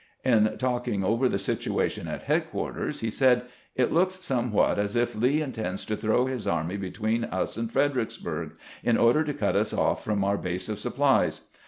In talking over the situation at headquarters, he said :" It looks somewhat as if Lee intends to throw his army between us and Fredericksburg, in order to cut us off from our base of supplies.